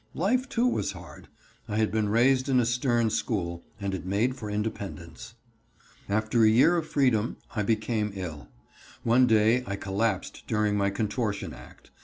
Life, too, was hard. I had been raised in a stern school, and it made for independence. After a year of freedom I became ill. One day I collapsed during my contortion act.